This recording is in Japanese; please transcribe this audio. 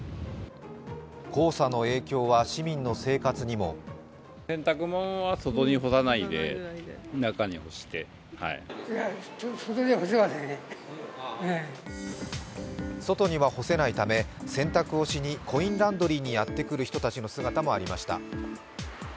黄砂の影響は市民の生活にも外には干せないため、洗濯をしにコインランドリーにやってくる人たちの姿もありました。